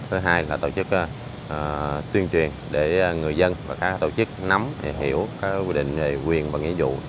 thứ hai là tổ chức tuyên truyền để người dân và các tổ chức nắm hiểu quy định về quyền và nghị dụ